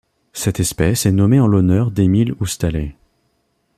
Cette espèce est nommée en l'honneur d'Émile Oustalet.